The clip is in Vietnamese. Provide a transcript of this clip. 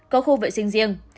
có khu vệ sinh riêng